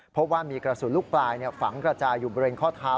เพราะว่ามีกระสุนลูกปลายฝังกระจายอยู่บริเวณข้อเท้า